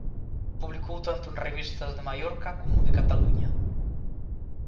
Publicou tanto en revistas de Mallorca como de Cataluña.